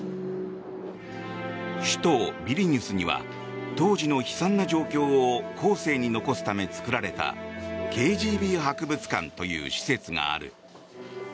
首都ビリニュスには当時の悲惨な状況を後世に残すため作られたＫＧＢ博物館という施設がある。